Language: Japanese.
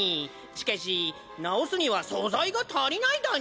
しかし直すには素材が足りないだに。